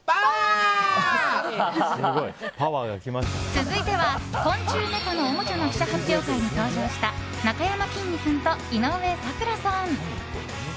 続いては、昆虫メカのおもちゃの記者発表会に登場したなかやまきんに君と井上咲楽さん。